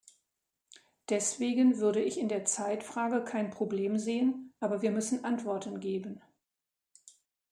Deswegen würde ich in der Zeitfrage kein Problem sehen, aber wir müssen Antworten geben.